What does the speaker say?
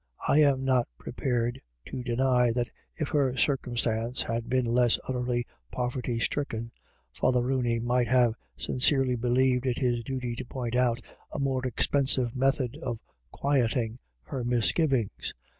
I am not prepared to deny that if her circumstances had been less utterly poverty stricken, Father Rooney might have sin cerely believed it his duty to point out a more expensive method of quieting her misgivings.